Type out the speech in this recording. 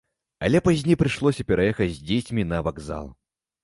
Але пазней прыйшлося пераехаць з дзецьмі на вакзал.